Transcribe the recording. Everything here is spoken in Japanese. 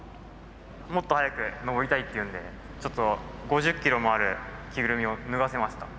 もっと速く登りたいっていうんでちょっと５０キロもある着ぐるみを脱がせました。